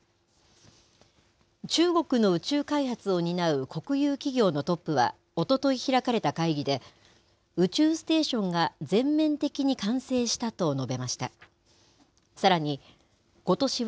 中国の宇宙開発を担う国有企業のトップはおととい開かれた会議で、宇宙ステーションが全面的に完成したと述べました。